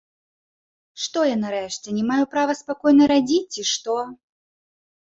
Што я, нарэшце, не маю права спакойна радзіць, ці што?